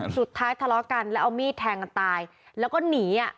ทะเลาะกันแล้วเอามีดแทงกันตายแล้วก็หนีอ่ะ